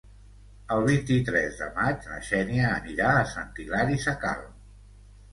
El vint-i-tres de maig na Xènia anirà a Sant Hilari Sacalm.